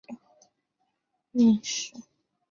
官至两浙都转盐运使司盐运使。